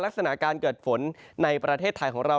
ลักษณะการเกิดฝนในประเทศไทยของเรา